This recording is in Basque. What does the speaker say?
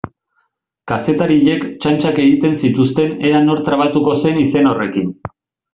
Kazetariek txantxak egiten zituzten ea nor trabatuko zen izen horrekin.